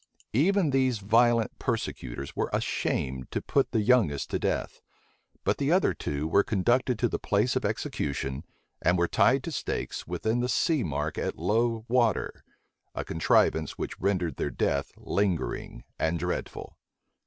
Even these violent persecutors were ashamed to put the youngest to death: but the other two were conducted to the place of execution, and were tied to stakes within the sea mark at low water; a contrivance which rendered their death lingering and dreadful.